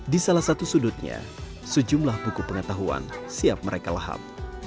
di salah satu sudutnya sejumlah buku pengetahuan siap mereka lahap